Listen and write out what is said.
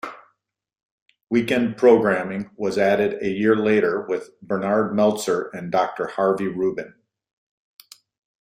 Weekend programming was added a year later with Bernard Meltzer and Doctor Harvey Ruben.